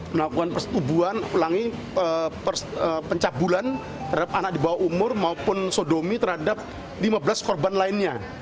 melakukan persetubuhan ulangi pencabulan terhadap anak di bawah umur maupun sodomi terhadap lima belas korban lainnya